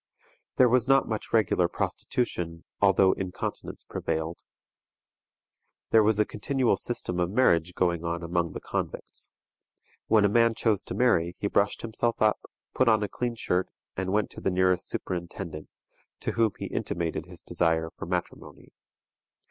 There was not much regular prostitution, although incontinence prevailed. There was a continual system of marriage going on among the convicts. When a man chose to marry, he brushed himself up, put on a clean shirt, and went to the nearest superintendent, to whom he intimated his desire for matrimony.